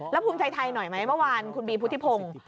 แล้วภูมิใจไทยหน่อยไหมเมื่อวานคุณบีพุทธิพงศ์